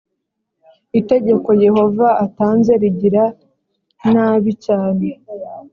itegeko yehova atanze rigira nabi cyane